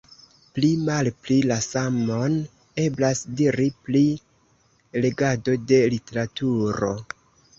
Pli-malpli la samon eblas diri pri legado de literaturo.